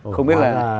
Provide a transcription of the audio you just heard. không biết là